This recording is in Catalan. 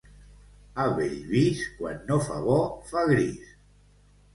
A Bellvís, quan no fa bo, fa gris.